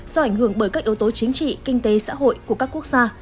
do ảnh hưởng bởi các yếu tố chính trị kinh tế xã hội của các quốc gia